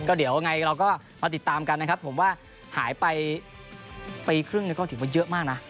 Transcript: เดี๋ยวยังไงเราก็มาติดตามกันนะครับผมว่าหายไปปีครึ่งก็ถือว่าเยอะมากนะ